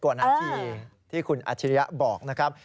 กว่านาทีที่คุณอาชิริยะบอกนะครับ